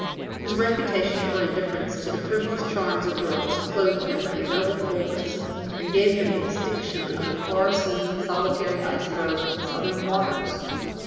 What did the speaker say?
His reputation for indifference to the frivolous charms of girls clothed him with a noble coldness, and gave him the distinction of a far seen solitary iceberg in Southern waters.